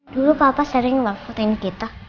dulu papa sering ngebakutin kita